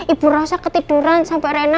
ibu rosa ketiduran sampe reina